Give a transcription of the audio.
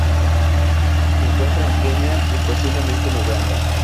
Se encuentra en Kenia y, posiblemente en Uganda.